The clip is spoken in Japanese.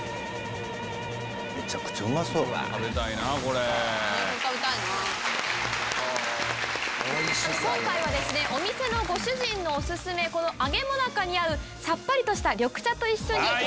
今回はお店のご主人のお薦め揚最中に合うさっぱりとした緑茶と一緒に。